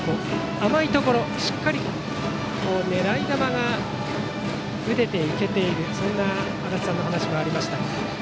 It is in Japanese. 甘いところ、しっかり狙い球が打てていけているという足達さんの話もありましたが。